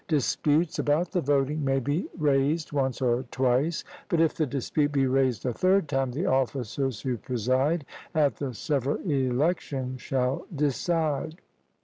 Disputes about the voting may be raised once or twice; but if the dispute be raised a third time, the officers who preside at the several elections shall decide.